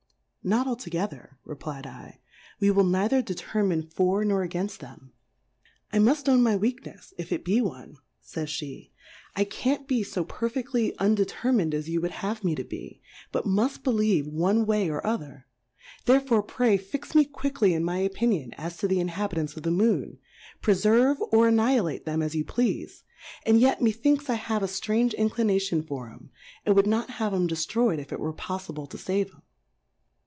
Not altogether, r^p/jV/, we will neither determine for, nor againft them. I muft own my Weaknefs, (if it be one )fajs fl^e, I can't be fo perfed ' E ly 74 Difcourfes on the ly undetermin'd as you would have me to be, but muft believe one way or other ; therefore pray fix me quickly in my Opinion, as to the Inhabitants of the Moon ; preferve or annihilate them, as you pleafe ; and yet, methinks I have a ftrange incUnation for 'em, and would not have 'em, deftroy'd, if it were pofli ble to fave 'em.